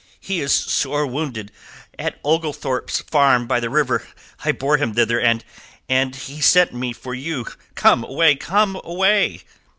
"He is sore wounded... at Oglethorpe's Farm by the river. I bore him thither... and... and he sent me for you. Come away! Come away!"